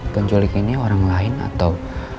penculik ini orang lain atau